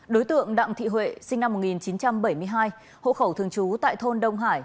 đối tượng đặng thị huệ sinh năm một nghìn chín trăm bảy mươi hai hộ khẩu thường trú tại thôn đông hải